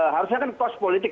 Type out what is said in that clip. harusnya kan kos politik